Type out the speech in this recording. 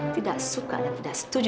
tidak suka dan tidak setuju